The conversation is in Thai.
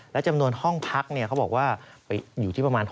และจำนวนห้องพักเขาบอกว่าไปอยู่ที่ประมาณ